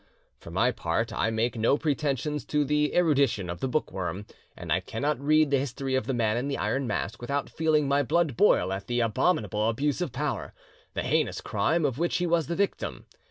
For my part, I make no pretensions to the erudition of the bookworm, and I cannot read the history of the Man in the Iron Mask without feeling my blood boil at the abominable abuse of power—the heinous crime of which he was the victim.